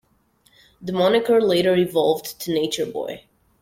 The moniker later evolved to "Nature Boy".